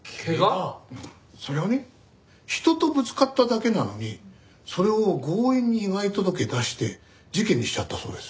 それがね人とぶつかっただけなのにそれを強引に被害届出して事件にしちゃったそうです。